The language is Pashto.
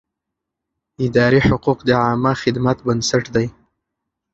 اداري حقوق د عامه خدمت بنسټ دی.